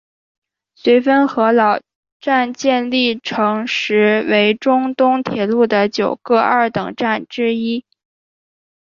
绥芬河老站建立成时为中东铁路的九个二等站之一。